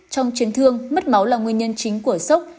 trong chấn thương mất máu là nguyên nhân chính của sốc